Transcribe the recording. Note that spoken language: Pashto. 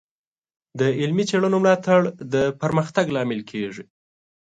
د علمي څیړنو ملاتړ د پرمختګ لامل کیږي.